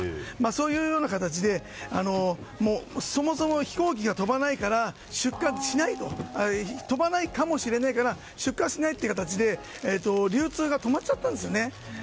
そういうような形でそもそも飛行機が飛ばないかもしれないから出荷しないということで流通が止まっちゃったんですよね。